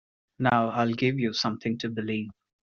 Now I’ll give you something to believe.